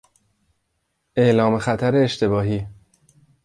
اعلام خطر اشتباهی